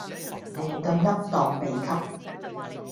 亂咁噏當秘笈